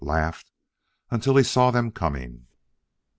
Laughed! until he saw them coming.